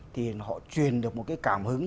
thì họ truyền được một cái cảm hứng